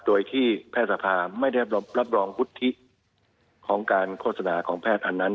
โดยที่แพทย์สภาไม่ได้รับรองวุฒิของการโฆษณาของแพทย์อันนั้น